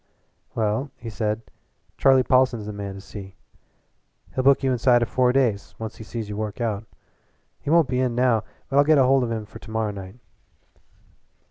"Well," he said, "Charlie Paulson's the man to see. He'll book you inside of four days, once he sees you work out. He won't be in now, but I'll get hold of him for to morrow night."